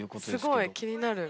すごい気になる。